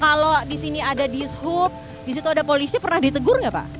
kalau di sini ada dishub di situ ada polisi pernah ditegur nggak pak